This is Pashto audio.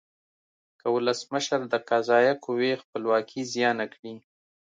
که ولسمشر د قضایه قوې خپلواکي زیانه کړي.